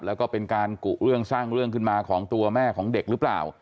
แล้วก็เป็นการกุเรื่องสร้างเรื่องขึ้นมาของตัวแม่ของเด็กหรือเปล่า